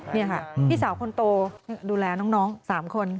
นี่ค่ะพี่สาวคนโตดูแลน้อง๓คน